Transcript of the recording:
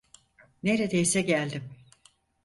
Neredeyse geldim.